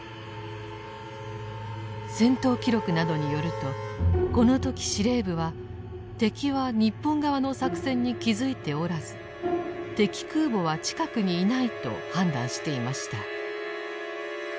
戦闘記録などによるとこの時司令部は敵は日本側の作戦に気付いておらず「敵空母は近くにいない」と判断していました。